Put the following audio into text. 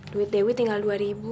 duit dewi tinggal dua ribu